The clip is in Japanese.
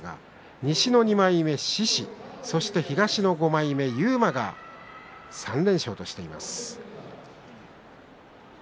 西の２枚目獅司東の５枚目勇磨が３連勝としています。